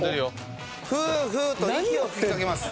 フーフーと息を吹きかけます。